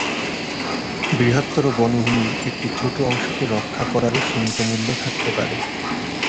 বৃহত্তর বনভূমির একটি ছোট অংশকে রক্ষা করারও সীমিত মূল্য থাকতে পারে।